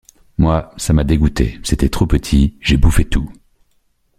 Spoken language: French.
Moi, ça m’a dégoûté, c’était trop petit, j’ai bouffé tout.